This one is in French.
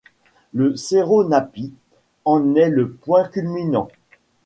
Le cerro Napí en est le point culminant.